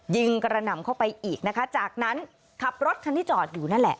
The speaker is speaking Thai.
ยิงกระหน่ำเข้าไปอีกนะคะจากนั้นขับรถคันที่จอดอยู่นั่นแหละ